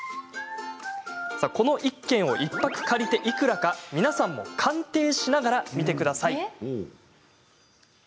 この１軒を１泊借りていくらか皆さんも鑑定しながら見てくださいね。